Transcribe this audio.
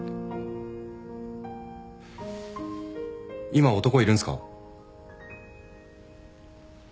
今男いるんすか？